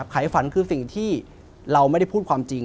ไขฝันคือสิ่งที่เราไม่ได้พูดความจริง